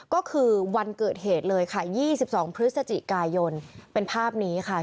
ก็คือวันเกิดเหตุเลยค่ะ๒๒พฤศจิกายนเป็นภาพนี้ค่ะ